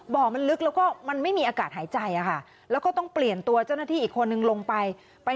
บ่อมันลึกแล้วก็มันไม่มีอากาศหายใจค่ะแล้วก็ต้องเปลี่ยนตัวเจ้าหน้าที่อีกคนนึงลงไปไป